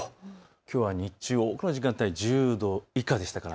きょうは日中、多くの時間帯、１０度以下でした。